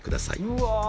うわ。